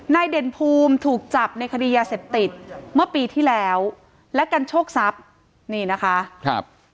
เด่นภูมิถูกจับในคดียาเสพติดเมื่อปีที่แล้วและกันโชคทรัพย์นี่นะคะครับ